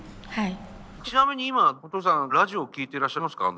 ちなみに今お父さんはラジオ聴いてらっしゃいますか？